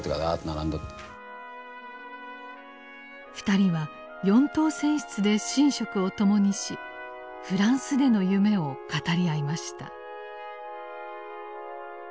２人は四等船室で寝食を共にしフランスでの夢を語り合いました。